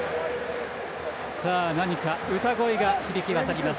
歌声が響き渡ります。